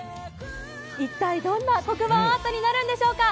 一体どんな黒板アートになるんでしょうか。